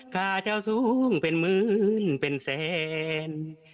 ค่าเจ้าสูงเป็นหมื่นเป็นแสน